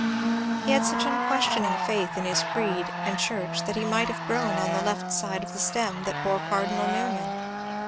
He had such unquestioning faith in his creed and church that he might have grown on the left side of the stem that bore Cardinal Newman.